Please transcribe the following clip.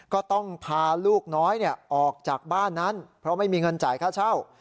ก็ต้องพาลูกน้อยออกจากบ้านนั้นเพราะไม่มีเงินจ่ายค่าเช่า